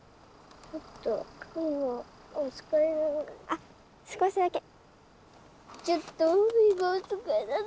あっ少しだけ。